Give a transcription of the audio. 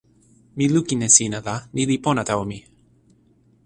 mi lukin e sina la ni li pona tawa mi.